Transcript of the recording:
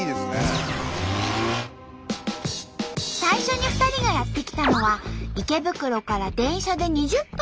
最初に２人がやって来たのは池袋から電車で２０分の西川口。